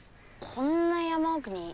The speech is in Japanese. こんな山奥にお寺？